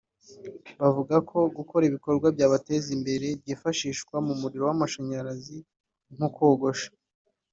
Bavuga ko gukora ibikorwa byabateza imbere byifashisha umuriro w’amashanyarazi nko kogosha